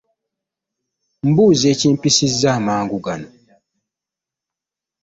Mbuuza ekimpisizza amangu gano .